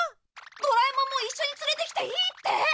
ドラえもんも一緒に連れてきていいって。